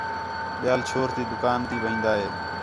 ٻِیال چھور تی دُکان تی وین٘دا ہِے